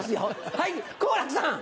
はい好楽さん！